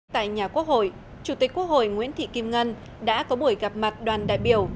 tại nhà quốc hội chủ tịch quốc hội nguyễn thị kim ngân đã có buổi gặp mặt đoàn đại biểu